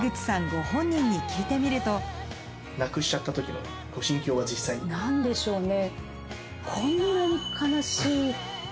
ご本人に聞いてみると何でしょうね。